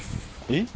えっ？